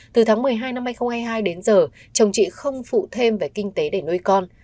từ tháng một mươi hai năm hai nghìn hai mươi hai đến giờ chồng chị không phụ thêm về kinh tế để nuôi con